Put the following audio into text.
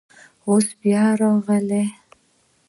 اوس بیا راغلی.